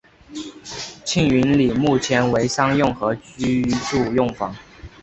庆云里目前为商用和居住用房。